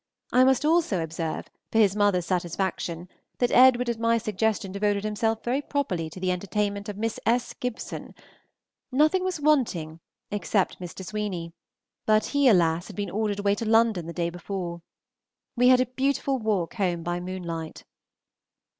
I must also observe, for his mother's satisfaction, that Edward at my suggestion devoted himself very properly to the entertainment of Miss S. Gibson. Nothing was wanting except Mr. Sweeney; but he, alas! had been ordered away to London the day before. We had a beautiful walk home by moonlight.